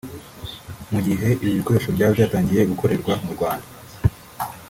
Mu gihe ibi bikoresho byaba byatangiye gukorerwa mu Rwanda